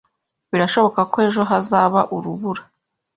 Birashoboka ko ejo hazaba urubura.